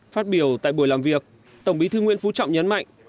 phát biểu tại buổi làm việc tổng bí thư nguyễn phú trọng nhấn mạnh